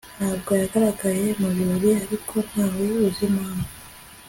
Ntabwo yagaragaye mu birori ariko ntawe uzi impamvu